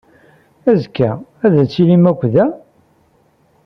Azekka, ad tilim akk da?